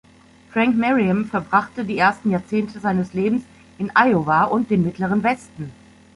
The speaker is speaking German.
Frank Merriam verbrachte die ersten Jahrzehnte seines Lebens in Iowa und dem Mittleren Westen.